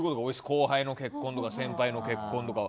後輩の結婚とか先輩の結婚とか。